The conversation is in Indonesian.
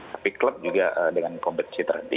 tapi klub juga dengan kompetisi terhenti